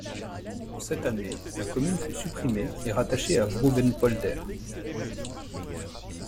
En cette année, la commune fut supprimée et rattachée à Vrouwenpolder.